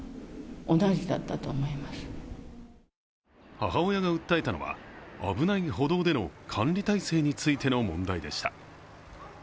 母親が訴えたのは、危ない歩道での管理体制についての問題でした。